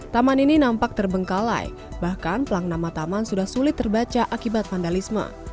taman ini nampak terbengkalai bahkan pelang nama taman sudah sulit terbaca akibat vandalisme